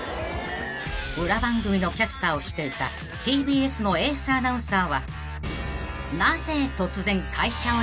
［裏番組のキャスターをしていたＴＢＳのエースアナウンサーは］